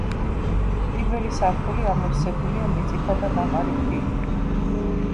პირველი სართული ამოვსებულია მიწითა და ნაყარი ქვით.